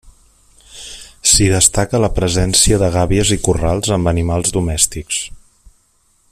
S'hi destaca la presència de gàbies i corrals amb animals domèstics.